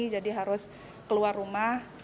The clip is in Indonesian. jadi harus keluar rumah